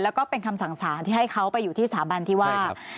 แล้วก็เป็นคำสั่งสารที่ให้เขาไปอยู่ที่สถาบันที่ว่า